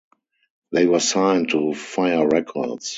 They were signed to Fire Records.